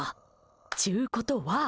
っちゅうことは。